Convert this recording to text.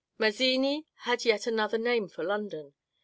Mazzini had yet another name for London.